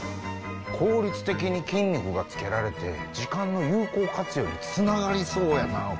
効率的に筋肉がつけられて時間の有効活用につながりそうやな。